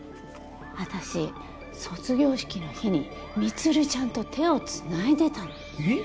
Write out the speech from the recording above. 私卒業式の日に充ちゃんと手を繋いでたの。え？